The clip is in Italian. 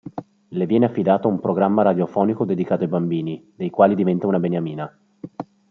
Le viene affidato un programma radiofonico dedicato ai bambini, dei quali diventa una beniamina.